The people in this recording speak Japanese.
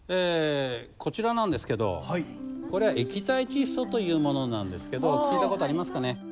こちらなんですけどこれ液体窒素というものなんですけど聞いた事ありますかね？